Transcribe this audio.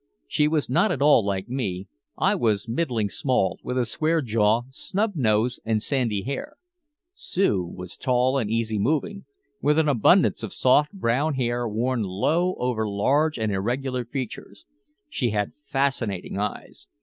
She was not at all like me. I was middling small, with a square jaw, snub nose and sandy hair. Sue was tall and easy moving, with an abundance of soft brown hair worn low over large and irregular features. She had fascinating eyes.